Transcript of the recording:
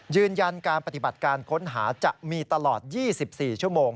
ยืนยันการปฏิบัติการค้นหาจะมีตลอด๒๔ชั่วโมง